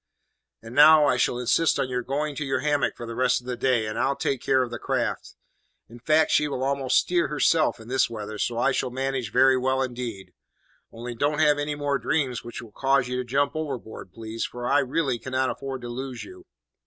And now, I shall insist on your going to your hammock for the rest of the day, and I'll take care of the craft. In fact, she will almost steer herself in this weather, so I shall manage very well indeed. Only don't have any more dreams which will cause you to jump overboard, please, for I really cannot afford to lose you."